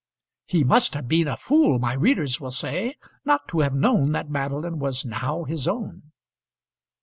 "He must have been a fool," my readers will say, "not to have known that Madeline was now his own."